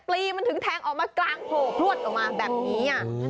ลีมันถึงแทงออกมากลางโผล่พลวดออกมาแบบนี้